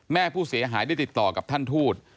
แม่ผู้เสียหายได้ติดต่อกับท่านทูต